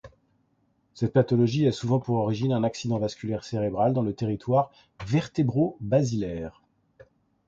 Cette pathologie a souvent pour origine un accident vasculaire cérébral dans le territoire vertébrobasilaire.